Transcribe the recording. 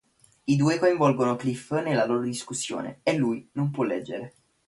I due coinvolgono Cliff nella loro discussione e lui non può leggere.